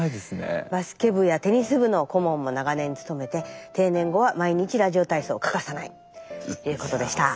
バスケ部やテニス部の顧問も長年務めて定年後は毎日ラジオ体操を欠かさないということでした。